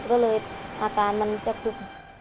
ก็เลยอาการมันจะคึก